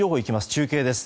中継です。